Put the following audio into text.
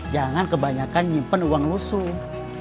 jangan kebanyakan nyimpen uang lusuh